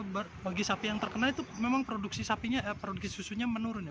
bagi sapi yang terkenal itu memang produksi sapinya produksi susunya menurun ya